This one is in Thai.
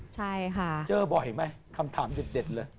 เจอบ่อยไหมคำถามเด็ดเลย